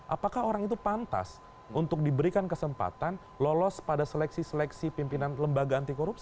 apakah orang itu pantas untuk diberikan kesempatan lolos pada seleksi seleksi pimpinan lembaga anti korupsi